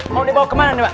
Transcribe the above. mau dibawa kemana nih pak